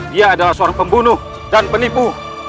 dia adalah seorang pembunuh dan penipu